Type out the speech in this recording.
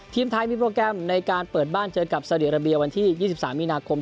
ทีมไทยมีโปรแกรมในการเปิดบ้านเจอกับสาวดีอาราเบียวันที่๒๓มีนาคม